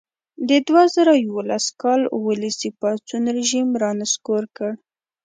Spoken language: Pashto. د دوه زره یوولس کال ولسي پاڅون رژیم را نسکور کړ.